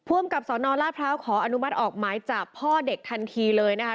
อำกับสนราชพร้าวขออนุมัติออกหมายจับพ่อเด็กทันทีเลยนะคะ